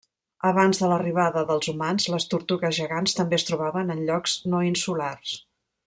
Abans de l'arribada dels humans les tortugues gegants també es trobaven en llocs no insulars.